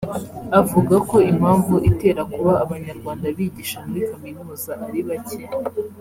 Avuga ko impamvu itera kuba abanyarwanda bigisha muri Kaminuza ari bacye